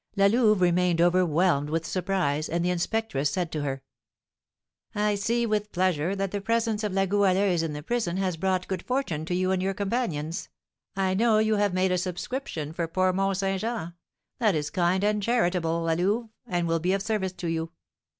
La Louve remained overwhelmed with surprise, and the inspectress said to her: "I see, with pleasure, that the presence of La Goualeuse in the prison has brought good fortune to you and your companions. I know you have made a subscription for poor Mont Saint Jean; that is kind and charitable, La Louve, and will be of service to you.